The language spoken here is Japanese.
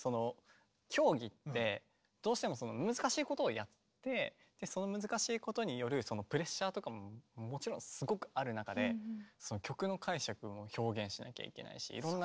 競技ってどうしても難しいことをやってその難しいことによるプレッシャーとかももちろんすごくある中で曲の解釈も表現しなきゃいけないしいろんなことも表現したいし。